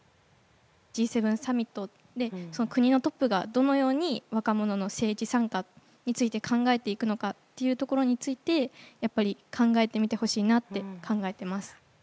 Ｇ７サミットで国のトップがどのように若者の政治参加について考えていくのかっていうところについてやっぱり考えてみてほしいなって考えてます。